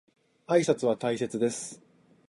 挨拶は大切です。